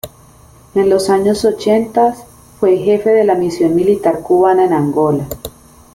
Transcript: En los años ochenta fue jefe de la Misión Militar Cubana en Angola.